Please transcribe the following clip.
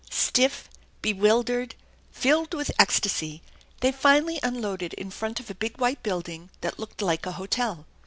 " Stiff, bewildered, filled with ecstasy, they finally unloaded in front of a big white building that looked like a hotel.